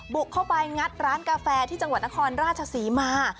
บุกเข้าไปงัดร้านกาแฟที่จังหวัดนครราชศรีมา